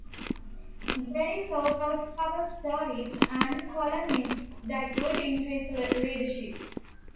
Berry sought out cover stories and columnists that would increase readership.